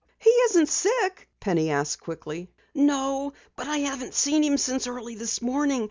"He isn't sick?" Penny asked quickly, "No, but I haven't seen him since early this morning.